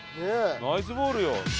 ナイスボールよ。